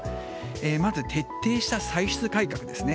まず、徹底した歳出改革ですね。